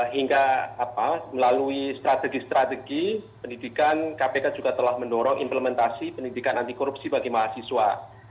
hingga melalui strategi strategi pendidikan kpk juga telah mendorong implementasi pendidikan anti korupsi bagi mahasiswa